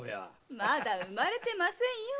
まだ生まれてませんよ！